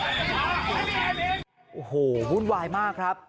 โอ้โหวุ่นวายมากครับ